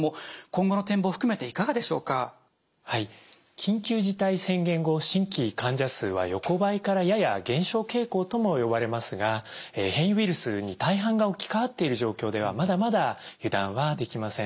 緊急事態宣言後新規患者数は横ばいからやや減少傾向とも呼ばれますが変異ウイルスに大半が置き換わっている状況ではまだまだ油断はできません。